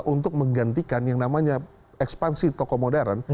untuk menggantikan yang namanya ekspansi toko modern